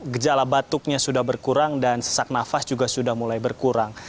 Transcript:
gejala batuknya sudah berkurang dan sesak nafas juga sudah mulai berkurang